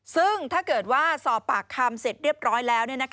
ซึ่งถ้าเกิดว่าสอบปากคำเสร็จเรียบร้อยแล้ว